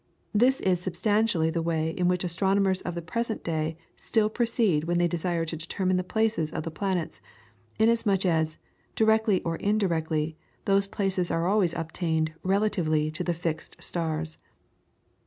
This is substantially the way in which astronomers of the present day still proceed when they desire to determine the places of the planets, inasmuch as, directly or indirectly those places are always obtained relatively to the fixed stars.